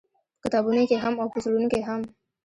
په کتابونو کښې هم او په زړونو کښې هم-